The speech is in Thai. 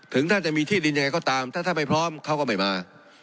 ท่านจะมีที่ดินยังไงก็ตามถ้าท่านไม่พร้อมเขาก็ไม่มา